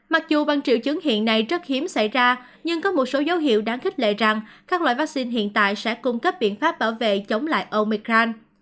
mặc dù bằng triệu chứng hiện nay rất hiếm xảy ra nhưng có một số dấu hiệu đáng khích lệ rằng các loại vaccine hiện tại sẽ cung cấp biện pháp bảo vệ chống lại omican